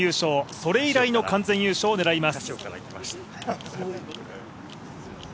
それ以来の完全優勝を狙います。